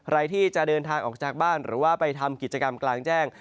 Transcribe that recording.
ใครที่จะเดินทางออกจากบ้านหรือว่าไปทำกิจกรรมกลางแจ้ง